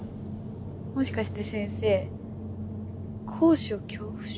もしかして先生高所恐怖症？